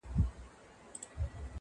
که تریخ دی زما دی.